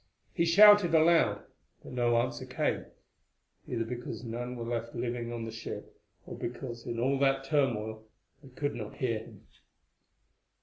He shouted aloud, but no answer came, either because none were left living on the ship, or because in all that turmoil they could not hear him.